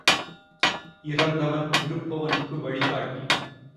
இறந்தவன் இருப்பவனுக்கு வழிகாட்டி.